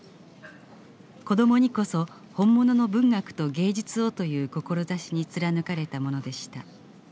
子どもにこそ本物の文学と芸術をという志に貫かれたものでした。